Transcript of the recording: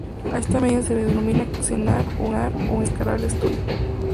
A esta medida se le denomina cegar o enmascarar el estudio.